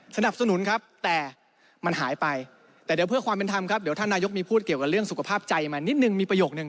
สนับสนุนครับแต่มันหายไปแต่เดี๋ยวเพื่อความเป็นธรรมครับเดี๋ยวท่านนายกมีพูดเกี่ยวกับเรื่องสุขภาพใจมานิดนึงมีประโยคนึง